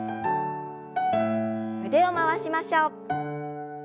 腕を回しましょう。